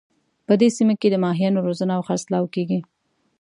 په دې سیمه کې د ماهیانو روزنه او خرڅلاو کیږي